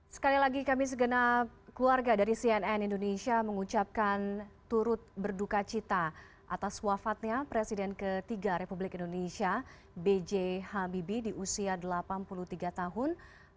sekali lagi kami segenap keluarga dari cnn indonesia mengucapkan turut berduka cita atas wafatnya presiden ketiga republik indonesia b j habibie di usia delapan puluh tiga tahun